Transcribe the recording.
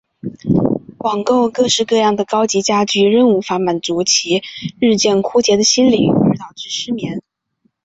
邮购各式各样的高级家具仍无法满足其日渐枯竭的心灵而导致失眠。